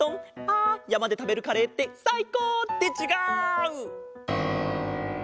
あやまでたべるカレーってさいこう！ってちがう！